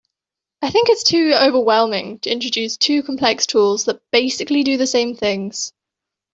I think it’s too overwhelming to introduce two complex tools that basically do the same things.